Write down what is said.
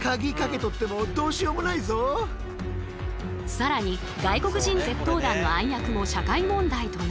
更に外国人窃盗団の暗躍も社会問題となり。